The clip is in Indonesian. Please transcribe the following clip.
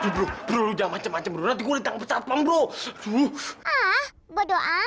bro bro jaman jaman berhenti kulit yang pesat panggung ah bodo amat